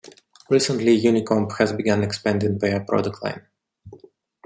Recently, Unicomp has begun expanding their product line.